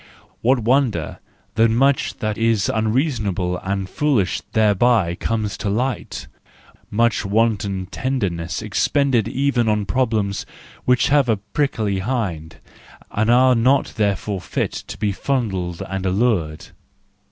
What wonder that much that is unreasonable and foolish thereby comes to light: much wanton tenderness expended even on problems which i 2 THE JOYFUL WISDOM have a prickly hide, and are not therefore fit to be fondled and allured.